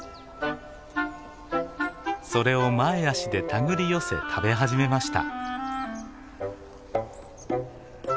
それを前足でたぐり寄せ食べ始めました。